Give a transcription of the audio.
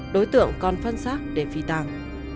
đối tượng còn phân xác để phi tàng